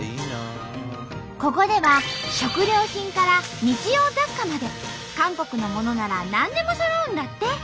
ここでは食料品から日用雑貨まで韓国のものなら何でもそろうんだって！